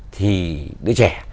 thì đứa trẻ